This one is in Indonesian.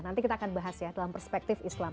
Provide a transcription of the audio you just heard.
nanti kita akan bahas ya dalam perspektif islam